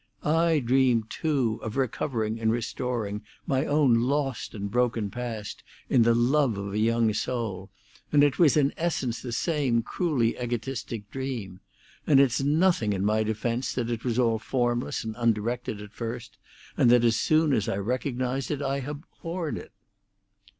I dreamed, too, of recovering and restoring my own lost and broken past in the love of a young soul, and it was in essence the same cruelly egotistic dream; and it's nothing in my defence that it was all formless and undirected at first, and that as soon as I recognised it I abhorred it."